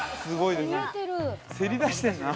◆せり出してんな。